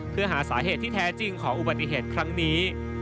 เพื่อหาสาเหตุที่แท้จริงของอุบัติเหตุครั้งนี้